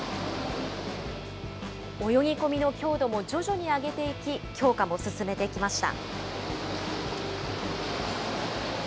泳ぎ込みの強度も徐々に上げていき、強化も進めてきました。